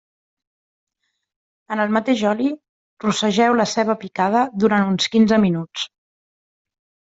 En el mateix oli, rossegeu la ceba picada, durant uns quinze minuts.